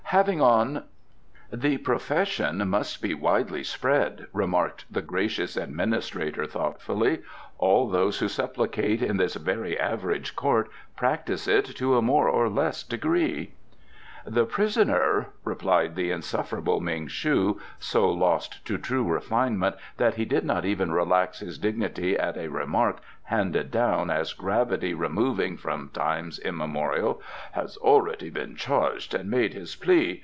Having on " "The profession must be widely spread," remarked the gracious administrator thoughtfully. "All those who supplicate in this very average court practise it to a more or less degree." "The prisoner," continued the insufferable Ming shu, so lost to true refinement that he did not even relax his dignity at a remark handed down as gravity removing from times immemorial, "has already been charged and made his plea.